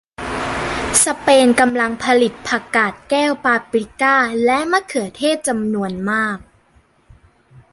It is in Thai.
สเปนกำลังผลิตผักกาดแก้วปาปริก้าและมะเขือเทศจำนวนมาก